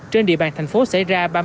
trên địa bàn thành phố xảy ra